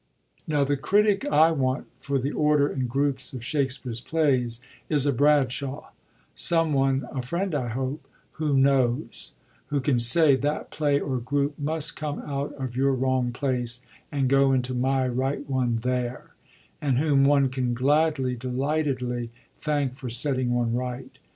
Now the critic I want for the Older and groups of Shakspere's plays is a Brad shaw ; someone— a friend, I hope— who knows ; who can say, " That play or group must come out of your wrong place, and go into my right one, there "; and whom one can gladly, delightedly, thank for setting one right.